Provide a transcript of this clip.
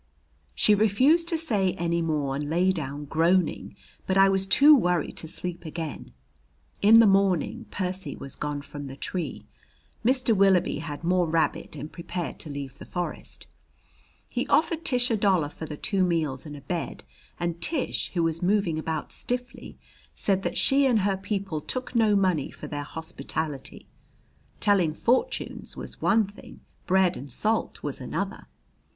She refused to say any more and lay down groaning. But I was too worried to sleep again. In the morning Percy was gone from the tree. Mr. Willoughby had more rabbit and prepared to leave the forest. He offered Tish a dollar for the two meals and a bed, and Tish, who was moving about stiffly, said that she and her people took no money for their hospitality. Telling fortunes was one thing, bread and salt was another.